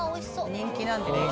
人気なんです。